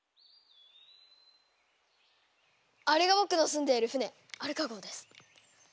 あれが僕の住んでいる船アルカ号です。